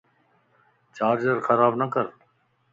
چارجر خراب نڪر